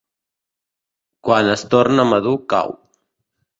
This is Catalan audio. Quan es torna madur cau.